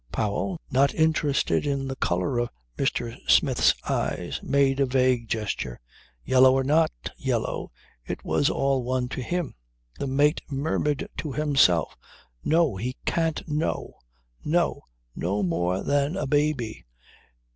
Powell, not interested in the colour of Mr. Smith's eyes, made a vague gesture. Yellow or not yellow, it was all one to him. The mate murmured to himself. "No. He can't know. No! No more than a baby.